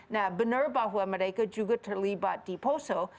nah benar bahwa mereka juga terlibat di poso